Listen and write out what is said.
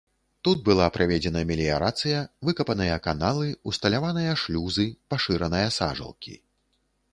Тут была праведзена меліярацыя, выкапаныя каналы, усталяваныя шлюзы, пашыраныя сажалкі.